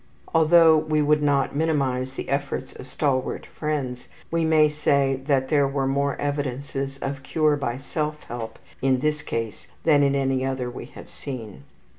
Although we would not minimize the efforts of stalwart friends, we may say that there were more evidences of cure by self help in this case than in any other we have seen.